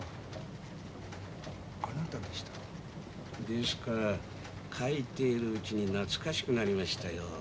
ですから書いているうちに懐かしくなりましたよ。